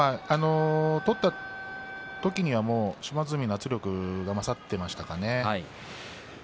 取った時にはもう島津海の圧力が勝っていましたね。